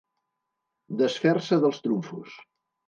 Desfer-se dels trumfos.